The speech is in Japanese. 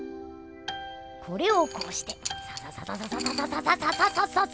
これをこうしてサササササササササササササ！